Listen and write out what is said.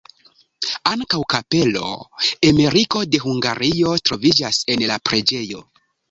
Ankaŭ kapelo Emeriko de Hungario troviĝas en la preĝejo.